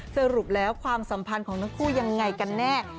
สรุปแล้วความสัมพันธ์ของทั้งคู่ยังไงกันแน่